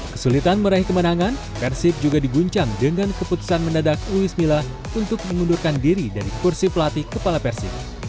kesulitan meraih kemenangan persib juga diguncang dengan keputusan mendadak luis mila untuk mengundurkan diri dari kursi pelatih kepala persib